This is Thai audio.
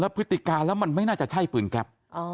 พฤติการแล้วมันไม่น่าจะใช่ปืนแก๊ป